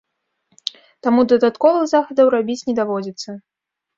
Таму дадатковых захадаў рабіць не даводзіцца.